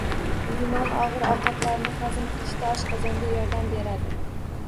Limon og‘ir ovqatlarni hazm qilishda oshqozonga yordam beradi.